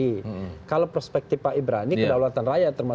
ya itu tergantung perspektif kalau perspektif beliau kan penghutang presiden itu berbeda